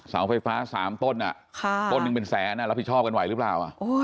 สาวไฟฟ้าสามต้นอะต้นนึงเป็นแสนน่ะรับผิดชอบกันไหวหรือเปล่า